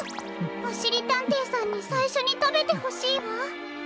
おしりたんていさんにさいしょにたべてほしいわ。